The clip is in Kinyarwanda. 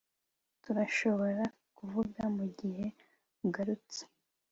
Turashobora kuvuga mugihe ugarutse